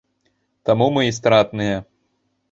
Таму мы і стратныя.